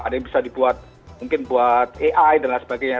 ada yang bisa dibuat mungkin buat ai dan lain sebagainya